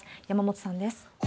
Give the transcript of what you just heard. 山本さんです。